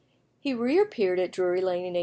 He reappeared at Drury Lane in 1826.